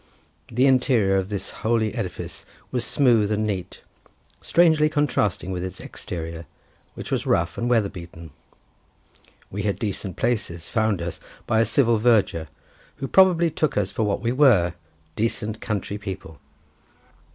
The interior of this holy edifice was smooth and neat, strangely contrasting with its exterior, which was rough and weather beaten. We had decent places found us by a civil verger, who probably took us for what we were—decent country people.